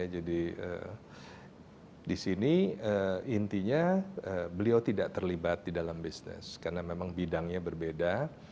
jadi di sini intinya beliau tidak terlibat di dalam bisnis karena memang bidangnya berbeda